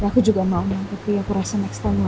ya aku juga mau tapi aku rasa next time lah ya